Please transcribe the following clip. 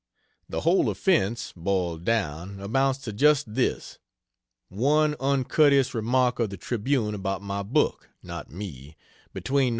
The whole offense, boiled down, amounts to just this: one uncourteous remark of the Tribune about my book not me between Nov.